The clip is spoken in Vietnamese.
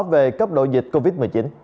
về cấp độ dịch covid một mươi chín